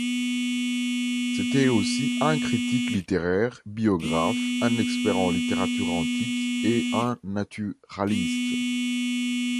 C'était aussi un critique littéraire, biographe, un expert en littérature antique et un naturaliste.